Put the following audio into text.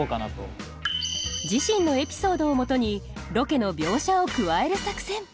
自身のエピソードをもとにロケの描写を加える作戦